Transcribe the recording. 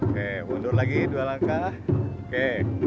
oke mundur lagi dua langkah oke